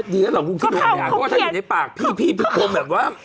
เดี๋ยวหรอถ้าอยู่ในปากพี่ที่ปรงแบบว้าง